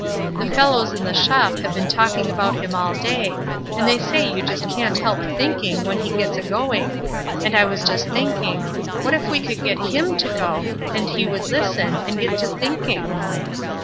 The fellows in the shop have been talking about him all day, and they say you just can't help thinking when he gets agoing; and I was just thinking, What if we could get him to go, and he would listen, and get to thinking."